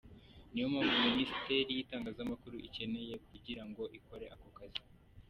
Ni yo mpamvu Ministeri y’itangazamakuru ikenewe kugira ngo ikore ako kazi.